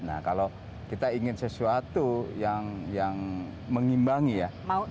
nah kalau kita ingin sesuatu yang mengimbangi ya